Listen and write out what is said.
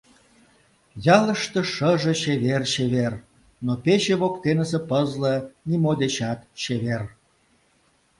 Ялыште шыже чевер-чевер, но пече воктенысе пызле нимо дечат чевер!